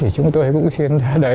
chúng tôi cũng xin ra đấy